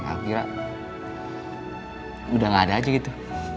aku kira udah gak ada aja gitu